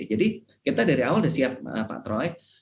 jadi kita dari awal sudah siap pak troy